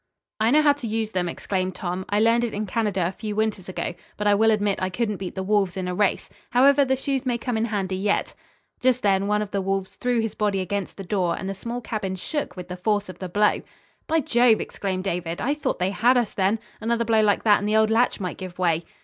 "I know how to use them," exclaimed Tom. "I learned it in Canada a few winters ago, but I will admit I couldn't beat the wolves in a race. However, the shoes may come in handy yet." Just then one of the wolves threw his body against the door and the small cabin shook with the force of the blow. "By Jove!" exclaimed David, "I thought they had us then. Another blow like that and the old latch might give way."